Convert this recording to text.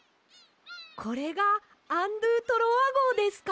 これがアン・ドゥ・トロワごうですか？